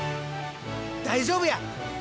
大丈夫や！